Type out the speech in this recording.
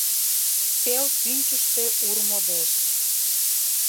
Пел пӱнчыштӧ ур модеш